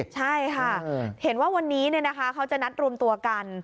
ใช่ค่ะเห็นว่าวันนี้เขาจะนัดรวมตัวกัน